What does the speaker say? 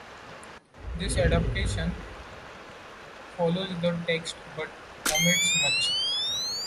This adaptation follows the text, but omits much.